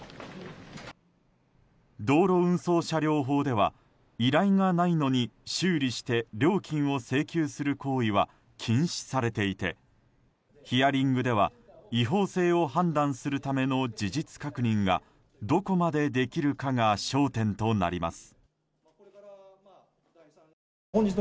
道路運送車両法では依頼がないのに修理して料金を請求する行為は禁止されていてヒアリングでは、違法性を判断するための事実確認がどこまでできるかが焦点となります。